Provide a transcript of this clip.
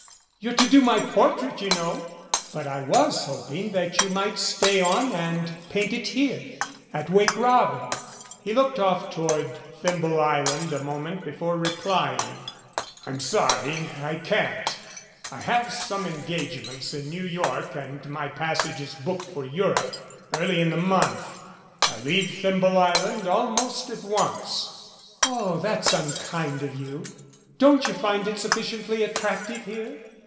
You're to do my portrait, you know? But I was hoping that you might stay on and paint it here at 'Wake Robin'!" He looked off toward Thimble Island a moment before replying. "I'm sorry I can't. I have some engagements in New York and my passage is booked for Europe early in the month. I leave Thimble Island almost at once." "Oh, that's unkind of you. Don't you find it suffi ciently attractive here?"